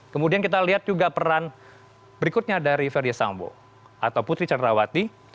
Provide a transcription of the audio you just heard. kemudian kita lihat juga peran berikutnya dari ferdisambo atau putri cenrawati